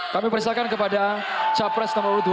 kami persilahkan kepada capres nomor dua